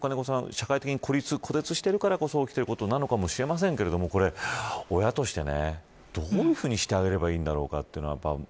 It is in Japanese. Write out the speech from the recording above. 社会的に孤立しているからこそ起きていることなのかもしれませんけど親としてどういうふうにしてあげればいいんだろうかと。